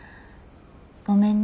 ごめんね。